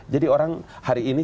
jadi orang hari ini